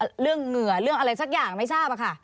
เรื่องเหงื่อเรื่องอะไรสักอย่างไม่ทราบค่ะ